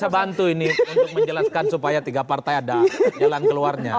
kita bantu ini untuk menjelaskan supaya tiga partai ada jalan keluarnya